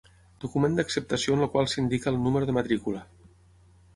Document d'acceptació en el qual s'indica el número de matrícula.